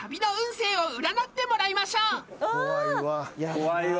怖いわ。